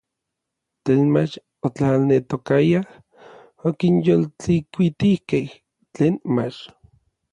Tlen mach otlaneltokayaj okinyoltlikuitijkej tlen mach.